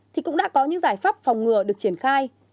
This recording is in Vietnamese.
thì cũng đã có những giải pháp phòng ngừa được triển khai